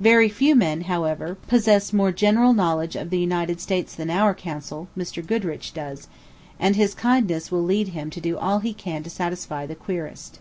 Very few men, however, possess more general knowledge of the United States than our consul Mr. Goodrich does; and his kindness will lead him to do all he can to satisfy the querist.